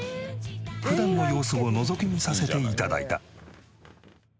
普段の様子をのぞき見させて頂いた。